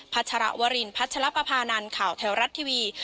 ัชรวรินพัชรปภานันข่าวแถวรัฐทีวี